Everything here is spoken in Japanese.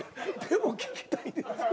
でも聞きたいです。